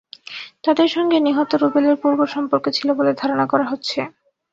তাঁদের সঙ্গে নিহত রুবেলের পূর্ব সম্পর্ক ছিল বলে ধারণা করা হচ্ছে।